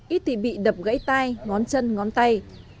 ít thì bị đập gãy tay ngón chân ngón tay